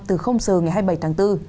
từ giờ ngày hai mươi bảy tháng bốn